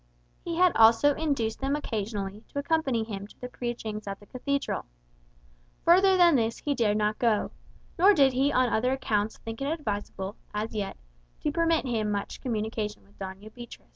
He had also induced them occasionally to accompany him to the preachings at the Cathedral. Further than this he dared not go; nor did he on other accounts think it advisable, as yet, to permit himself much communication with Doña Beatriz.